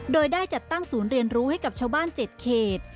โดยได้จัดตั้งศูนย์เรียนรู้ให้กับชาวบ้าน๗เขต